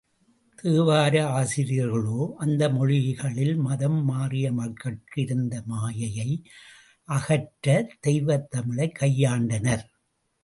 தேவார ஆசிரியர்களோ, அந்த மொழிகளில் மதம் மாறிய மக்கட்கு இருந்த மாயை யை அகற்றத் தெய்வத் தமிழைக் கையாண்டனர்.